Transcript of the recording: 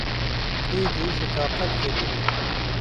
Êdî ji taqet ketibû.